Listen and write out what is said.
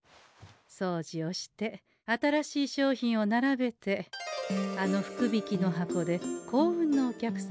そうじをして新しい商品を並べてあの福引きの箱で幸運のお客様を選ぶ。